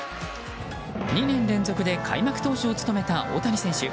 ２年連続で開幕投手を務めた大谷選手。